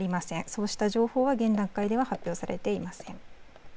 そうした情報は現段階では、発表されていません。